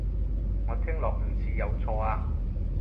我聽落唔似有錯啊